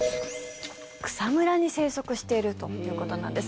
草むらに生息しているということなんです。